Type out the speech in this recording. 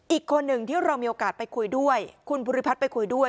อีกคนหนึ่งที่เรามีโอกาสไปคุยด้วยคุณภูริพัฒน์ไปคุยด้วย